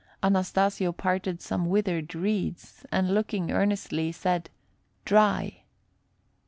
Anastasio parted some withered reeds, and, looking earnestly, said, "Dry."